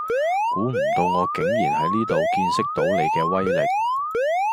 估唔到我竟然喺呢度見識到你既威力